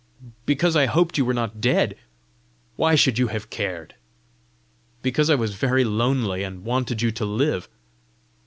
"Because I hoped you were not dead." "Why should you have cared?" "Because I was very lonely, and wanted you to live."